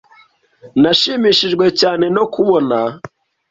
Nashimishijwe cyane no kubona .